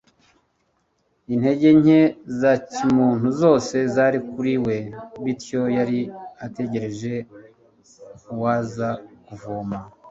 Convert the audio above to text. Intege nke za kimuntu zose zari kuri we, bityo yari ategereje uwaza kuvoma.